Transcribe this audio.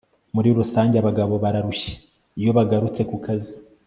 muri rusange abagabo bararushye iyo bagarutse kukazi